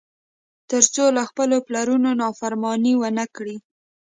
تر څو له خپلو پلرونو نافرماني ونه کړي.